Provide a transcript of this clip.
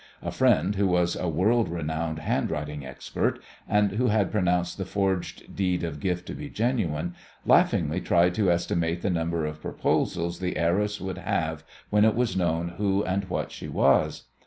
A friend, who was a world renowned handwriting expert, and who had pronounced the forged deed of gift to be genuine, laughingly tried to estimate the number of proposals the heiress would have when it was known who and what she was.